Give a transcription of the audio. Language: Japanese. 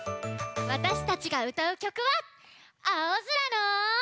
わたしたちがうたうきょくは「青空の」。